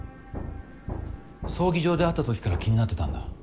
葬儀場で会った時から気になってたんだ。